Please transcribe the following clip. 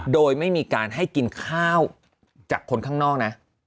โดยไม่มีการให้กินข้าวจากคนข้างนอกนะ